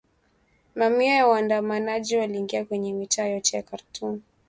Mamia ya waandamanaji waliingia kwenye mitaa yote ya Khartoum